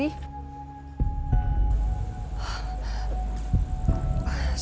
dia ternyata mati suri